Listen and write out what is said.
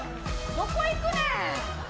どこ行くねん。